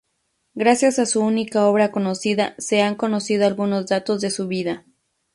Gracias a su única obra conocida, se han conocido algunos datos de su vida.